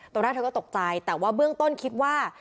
ตอนแรกเธอก็ตกใจแต่ว่าเบื้องต้นคิดว่า